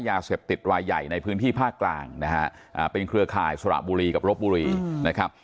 ยาเสพติดรายใหญ่ในพื้นที่ภาคกลางนะฮะเป็นเครือข่ายสระบุรีกับรบบุรีนะครับ